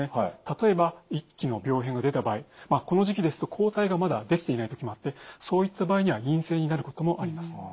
例えば１期の病変が出た場合この時期ですと抗体がまだできていない時もあってそういった場合には陰性になることもあります。